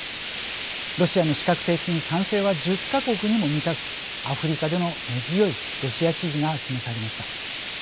ロシアの資格停止に賛成は１０か国にも満たずアフリカでの根強いロシア支持が示されました。